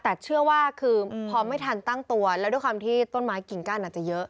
แต่เชื่อว่าคือพอไม่ทันตั้งตัวแล้วด้วยความที่ต้นไม้กิ่งกั้นอาจจะเยอะ